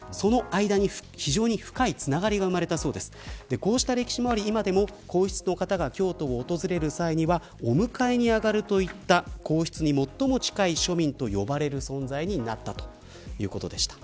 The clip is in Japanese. こうした歴史もあり、今でも皇室の方が京都を訪れる際にはお迎えに上がるといった皇室に最も近い庶民と呼ばれる存在になったということでした。